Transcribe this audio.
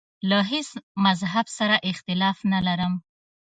له هیڅ مذهب سره اختلاف نه لرم.